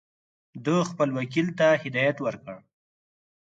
ده خپل وکیل ته هدایت ورکړ.